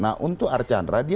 nah untuk arjandra dia